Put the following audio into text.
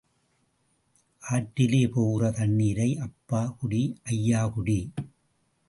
ஆற்றிலே போகிற தண்ணீரை அப்பா குடி, ஐயா குடி.